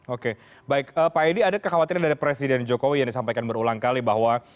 oke baik pak edi ada kekhawatiran dari presiden jokowi yang disampaikan berulang kali bahwa